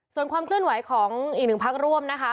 ส่วนความเคลื่อนไหวของอีกหนึ่งพักร่วมนะคะ